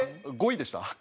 ５位でした。